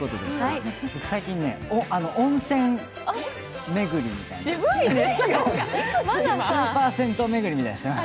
最近ね、温泉巡りみたいな。